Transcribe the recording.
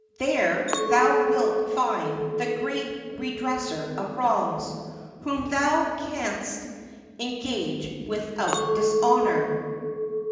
There thou wilt find the great re dresser of wrongs, whom thou canst engage without dishonor.